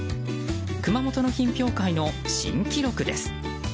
熊本の品評会の新記録です。